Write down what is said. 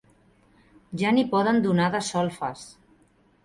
Ja n'hi podien donar de solfes